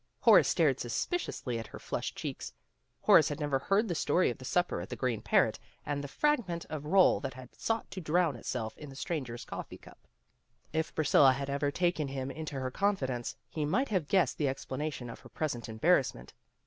Horace stared suspiciously at her flushed cheeks. Horace had never heard the story of the supper at the Green Parrot, and the frag ment of roll that had sought to drown itself in the stranger's coffee cup. If Priscilla had ever taken him into her confidence, he might have guessed the explanation of her present embarrassment.